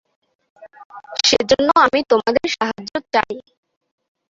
সেজন্য আমি তোমাদের সাহায্য চাই।